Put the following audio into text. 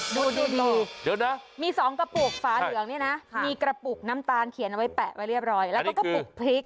ดูเดี๋ยวนะมี๒กระปุกฝาเหลืองนี่นะมีกระปุกน้ำตาลเขียนเอาไว้แปะไว้เรียบร้อยแล้วก็กระปุกพริก